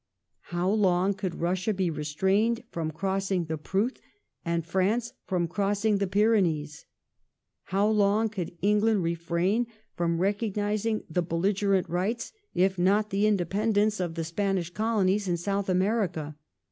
"How long could Russia be re strained from crossing the Pruth, and France from crossing the Pyrenees ? How long could England refrain from recognizing tho belligerent rights, if not the independence, of the Spanish Colonies in South America